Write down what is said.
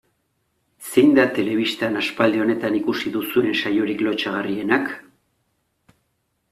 Zein da telebistan aspaldi honetan ikusi duzuen saiorik lotsagarrienak?